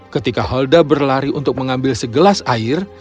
ketika holda berlari untuk mengambil segelas air